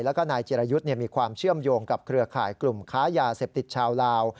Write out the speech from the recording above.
แล้วก็นายจิรยุทธ์มีความเชื่อมโยงกับเครือข่ายกลุ่มค้ายาเสพติดชาวลาว